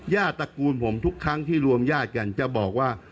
ตระกูลผมทุกครั้งที่รวมญาติกันจะบอกว่า